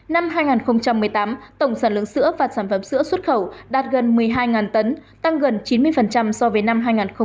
năm hai nghìn một mươi tám tổng sản lượng sữa và sản phẩm sữa xuất khẩu đạt gần một mươi hai tấn tăng gần chín mươi so với năm hai nghìn một mươi bảy